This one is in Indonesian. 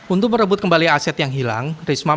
untuk merebut kembali aset yang hilang risma